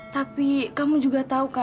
tapi kamu juga tahu